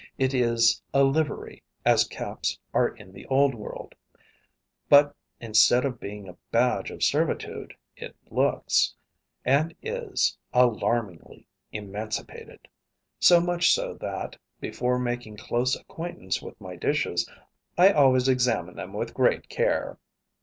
It is a livery, as caps are in the Old World; but instead of being a badge of servitude it looks, and is, alarmingly emancipated so much so that, before making close acquaintance with my dishes, I always examine them with great care.